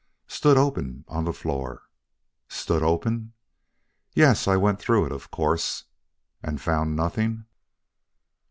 "Stood open on the floor." "Stood open?" "Yes, I went through it, of course." "And found nothing?"